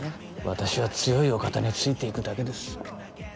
私は強いお方についていくだけです